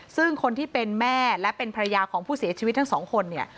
ซึ่งคนที่เป็นแม่และเป็นภรรยาของผู้เสียชีวิตทั้งสองคนเนี่ย